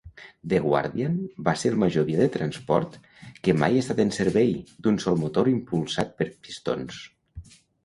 "The Guardian" va ser el major avió de transport, que mai ha estat en servei, d'un sol motor impulsat per pistons.